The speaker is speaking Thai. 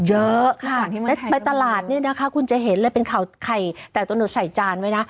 เยอะค่ะแล้วไปตลาดเนี่ยนะคะคุณจะเห็นเลยเป็นข่าวไข่แตกตัวหนูใส่จานไว้นะ